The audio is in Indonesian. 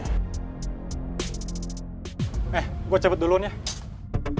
eh gue cabut duluan ya